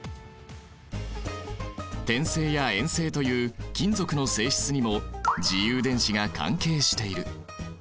展性や延性という金属の性質にも自由電子が関係している。